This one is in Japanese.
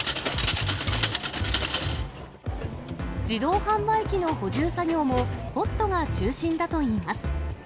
自動販売機の補充作業も、ホットが中心だといいます。